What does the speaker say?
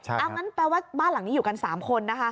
เอางั้นแปลว่าบ้านหลังนี้อยู่กัน๓คนนะคะ